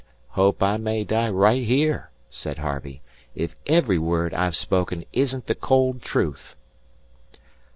'" "Hope I may die right here," said Harvey, "if every word I've spoken isn't the cold truth."